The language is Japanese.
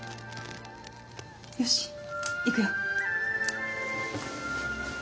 よしいくよ。